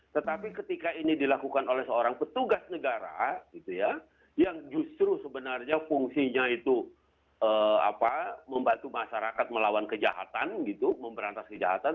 tetapi ketika ini dilakukan oleh seorang petugas negara gitu ya yang justru sebenarnya fungsinya itu membantu masyarakat melawan kejahatan gitu memberantas kejahatan